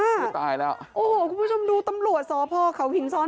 คือตายแล้วโอ้โหคุณผู้ชมดูตำรวจสพเขาหินซ้อน